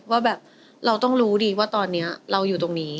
ว่าแบบเราต้องรู้ดีว่าตอนนี้เราอยู่ตรงนี้